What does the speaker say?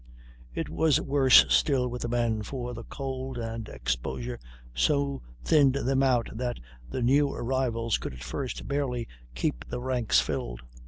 It was worse still with the men, for the cold and exposure so thinned them out that the new arrivals could at first barely keep the ranks filled.